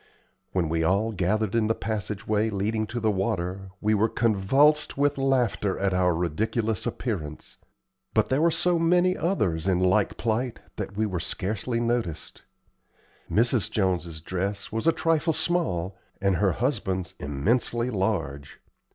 When we all gathered in the passage way leading to the water, we were convulsed with laughter at our ridiculous appearance; but there were so many others in like plight that we were scarcely noticed. Mrs. Jones's dress was a trifle small, and her husband's immensely large.